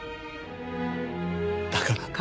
だから。